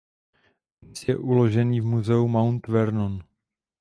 Dnes je uložený v muzeu Mount Vernon.